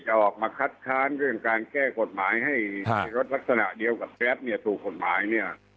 ออกมาคัดค้านเรื่องการแก้กฎหมายให้รถลักษณะเดียวกับแกรปเนี่ยถูกกฎหมายเนี่ย